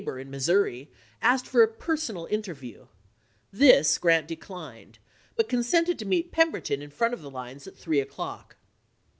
bor in Missouri, asked for a personal interview; this Grant declined, but consented to meet Pem berton in front of the lines at three o'clock.